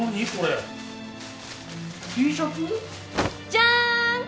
じゃん！